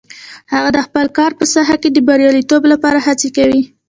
هغه د خپل کار په ساحه کې د بریالیتوب لپاره هڅې کوي